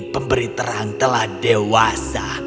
pemberi terang telah dewasa